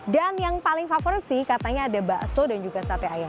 dan yang paling favorit sih katanya ada bakso dan juga sate ayam